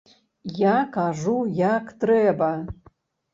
Я кажу як трэба.